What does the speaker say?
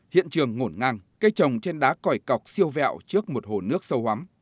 hiện trường ngổn ngang cây trồng trên đá cõi cọc siêu vẹo trước một hồ nước sâu hóa